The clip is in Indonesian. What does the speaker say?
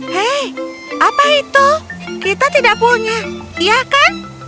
hei apa itu kita tidak punya iya kan